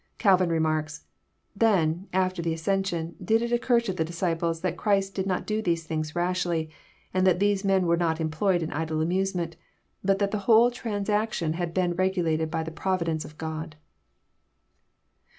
Calvin remarks :Then, after the ascension, did it occur to the disciples that Christ did not do these things rashly, and that these men were not employed in idle amusement, but that the whole transaction had been regulated by the providence of God."